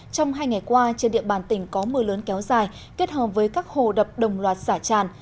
trong hai ngày qua trên địa bàn tỉnh có mưa lớn kéo dài kết hợp với các hồ đập đồng loạt xả tràn